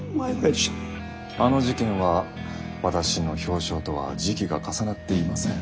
あの事件は私の表彰とは時期が重なっていません。